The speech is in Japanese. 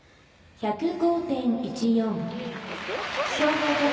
１０５．１４。